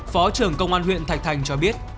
phó trưởng công an huyện thạch thành cho biết